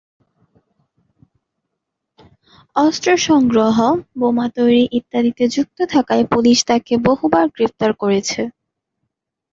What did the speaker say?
অস্ত্র সংগ্রহ, বোমা তৈরি ইত্যাদিতে যুক্ত থাকায় পুলিশ তাকে বহুবার গ্রেপ্তার করেছে।